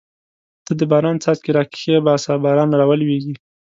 ته د باران څاڅکي را کښېباسه باران راولېږه.